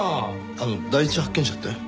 あの第一発見者って？